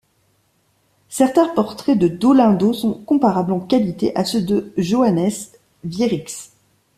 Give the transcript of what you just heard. Certains portraits de Dolendo sont comparables en qualité à ceux de Johannes Wierix.